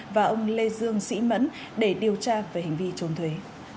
và ông lê dương sĩ mẫn để điều tra về hành vi trốn thuế